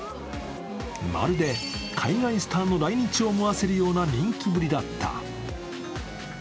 まるで海外スターの来日を思わせるような人気ぶりだった。